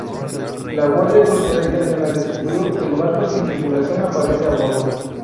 La Guardia Costera italiana descubrió el barco sin tripulación aparente a bordo.